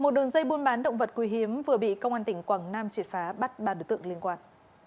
một đường dây buôn bán động vật quý hiếm vừa bị công an tỉnh quảng nam triệt phá bắt ba đối tượng liên quan